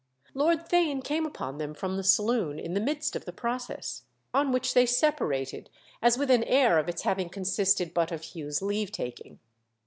Lord Theign came upon them from the saloon in the midst of the process; on which they separated as with an air of its having consisted but of Hugh's leave taking.